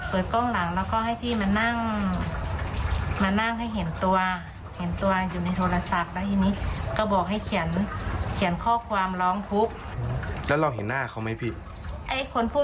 กล้องหลังแล้วก็ให้พี่มานั่งมานั่งให้เห็นตัวเห็นตัวอยู่ในโทรศัพท์แล้วทีนี้ก็บอกให้เขียนข้อความร้องทุกข์แล้วเราเห็นหน้าเขาไหมพี่